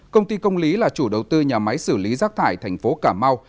công ty công lý là chủ đầu tư nhà máy xử lý rác thải thành phố cà mau